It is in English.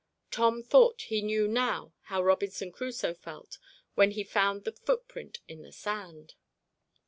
Tom thought he knew now how Robinson Crusoe felt when he found the footprint in the sand.